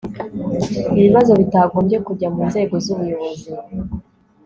ibibazo bitagombye kujya mu nzego z'ubuyobozi